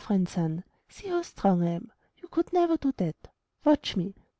friend Sun, see how strong I am. You could never do that! Watch me!